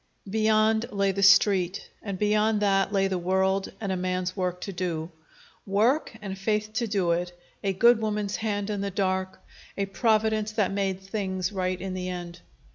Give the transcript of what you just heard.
Beyond lay the Street, and beyond that lay the world and a man's work to do. Work, and faith to do it, a good woman's hand in the dark, a Providence that made things right in the end.